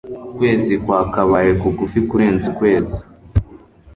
ukwezi kwakabaye kugufi kurenza ukwezi